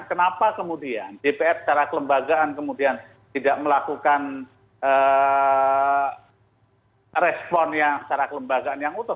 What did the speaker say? kenapa kemudian dpr secara kelembagaan kemudian tidak melakukan respon yang secara kelembagaan yang utuh